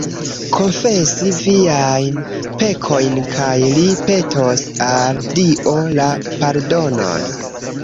Konfesi viajn pekojn kaj li petos al Dio la pardonon